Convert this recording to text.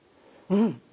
うん。